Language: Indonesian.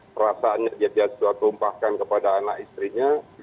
perasaannya dia bisa sumpahkan kepada anak istrinya